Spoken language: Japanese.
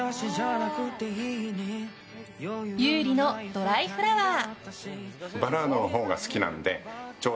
優里の「ドライフラワー」。